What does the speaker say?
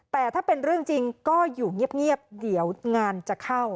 แต่ถ้าเป็นเรื่องจริงก็อยู่เงียบเดี๋ยวงานจะเข้า